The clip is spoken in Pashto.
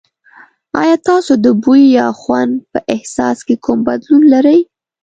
ایا تاسو د بوی یا خوند په احساس کې کوم بدلون لرئ؟